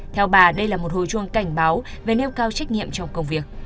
theo bà đây là một hồi chuông cảnh báo về nêu cao trách nhiệm trong công việc